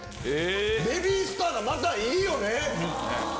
ベビースターがまたいいよね！